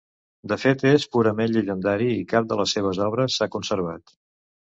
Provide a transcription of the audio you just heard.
De fet és purament llegendari i cap de les seves obres s'ha conservat.